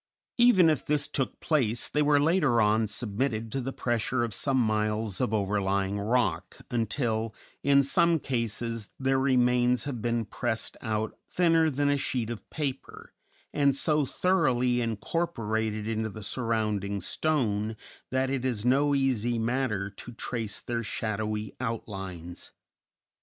Even if this took place they were later on submitted to the pressure of some miles of overlying rock until, in some cases, their remains have been pressed out thinner than a sheet of paper, and so thoroughly incorporated into the surrounding stone that it is no easy matter to trace their shadowy outlines.